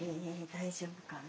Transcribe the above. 大丈夫かな？